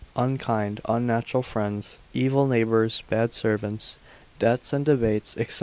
Unkind, unnatural friends, evil neighbours, bad servants, debts and debates, &c.